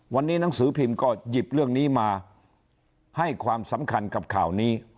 วันนี้หนังสือพิมพ์ก็หยิบเรื่องนี้มาให้ความสำคัญกับข่าวนี้